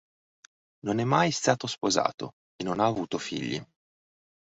Non è mai stato sposato e non ha avuto figli.